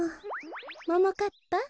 ももかっぱ